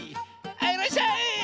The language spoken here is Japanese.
はいいらっしゃい！